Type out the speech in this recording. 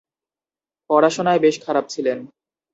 পড়াশোনায় বেশ খারাপ ছিলেন।